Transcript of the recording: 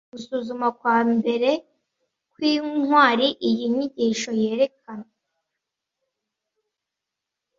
gusuzuma kwambere kwintwari Iyi nyigisho yerekana